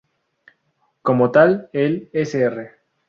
Como tal, el Sr.